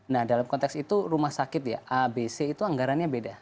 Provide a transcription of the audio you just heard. nah dalam konteks itu rumah sakit ya abc itu anggarannya beda